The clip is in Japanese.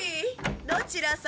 どちら様？